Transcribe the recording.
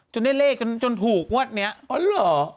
จนได้เลขกันจนถูกเหรอ